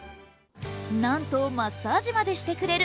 なんとマッサージまでしてくれる。